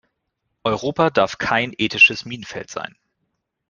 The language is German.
Europa darf kein ethisches Minenfeld sein.